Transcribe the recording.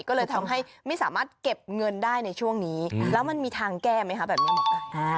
ก็เลยทำให้ไม่สามารถเก็บเงินได้ในช่วงนี้อืมแล้วมันมีทางแก้ไหมค่ะ